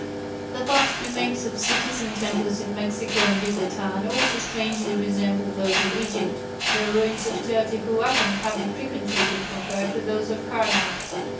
The vast remains of cities and temples in Mexico and Yucatan also strangely resemble those of Egypt, the ruins of Teotihuacan having frequently been compared to those of Karnak.